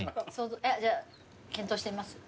じゃあ見当してみます？